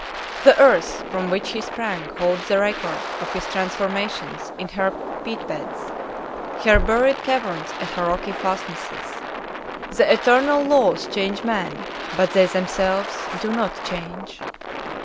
The earth from which he sprang holds the record of his transformations in her peat beds, her buried caverns and her rocky fastnesses. The eternal laws change man, but they themselves do not change.